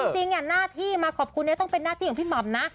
จริงหน้าที่มาขอบคุณนี้ต้องเป็นหน้าที่ของพี่หม่ำนะ